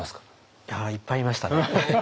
いやいっぱいいましたね。